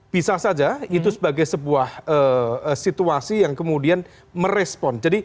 bisa saja itu sebagai sebuah situasi yang kemudian merespon